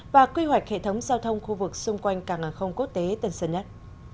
và quy hoạch hệ thống giao thông khu vực xung quanh cảng hàng không quốc tế tân sơn nhất